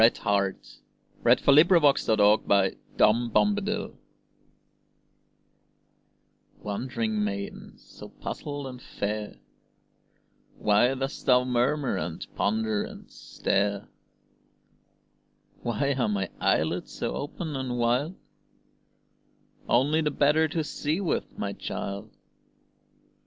WHAT THE WOLF REALLY SAID TO LITTLE RED RIDING HOOD Wondering maiden, so puzzled and fair, Why dost thou murmur and ponder and stare? "Why are my eyelids so open and wild?" Only the better to see with, my child!